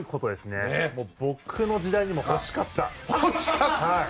僕の時代にも欲しかった！